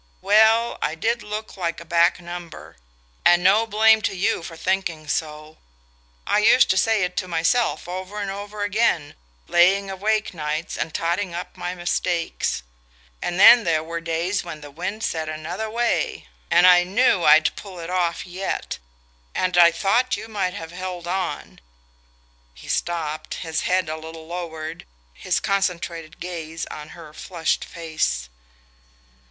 Well, I did look like a back number, and no blame to you for thinking so. I used to say it to myself over and over again, laying awake nights and totting up my mistakes ... and then there were days when the wind set another way, and I knew I'd pull it off yet, and I thought you might have held on...." He stopped, his head a little lowered, his concentrated gaze on her flushed face.